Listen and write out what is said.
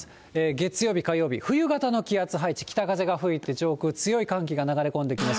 月曜日、火曜日、冬型の気圧配置、北風が吹いて、上空強い寒気が流れ込んできます。